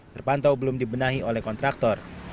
terpantau belum dibenahi oleh kontraktor